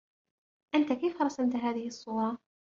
أنتَ كيف رَسَمت هذه الصورة؟